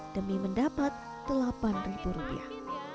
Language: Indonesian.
demi mendapat delapan ribu rupiah